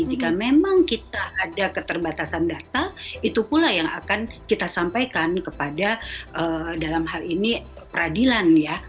jika memang kita ada keterbatasan data itu pula yang akan kita sampaikan kepada dalam hal ini peradilan ya